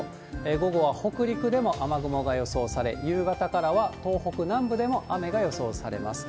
午後は北陸でも雨雲が予想され、夕方からは東北南部でも雨が予想されます。